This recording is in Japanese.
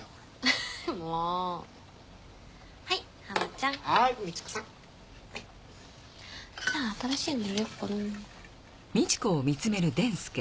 じゃあ新しいの入れようかな。